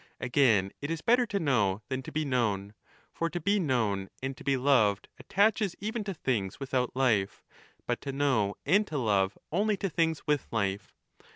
Again, it is better to now than to be known ; for to be known and to be loved ttaches even to things without life, but to know and to love 10 nly to things with life.